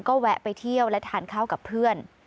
ก็แวะไปเที่ยวและทานข้าวกับเพื่อน